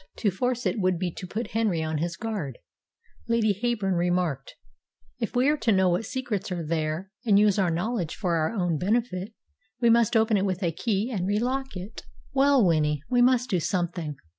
"To force it would be to put Henry on his guard," Lady Heyburn remarked, "If we are to know what secrets are there, and use our knowledge for our own benefit, we must open it with a key and relock it." "Well, Winnie, we must do something.